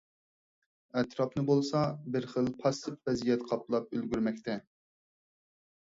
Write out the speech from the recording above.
ئەتراپنى بولسا بىرخىل پاسسىپ ۋەزىيەت قاپلاپ ئۈلگۈرمەكتە.